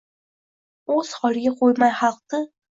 O‘z holiga qo‘ymay xalqdi